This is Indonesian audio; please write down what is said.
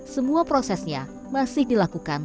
semua prosesnya masih dilakukan